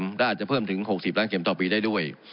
และอาจจะเพิ่มถึง๖๐ล้านเข็มต่อปีได้ด้วย